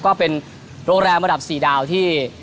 ก็เป็นโรงแรมระดับ๔ดาวที่